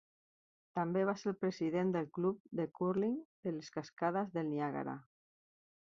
També va ser el president del Club de curling de les Cascades del Niàgara.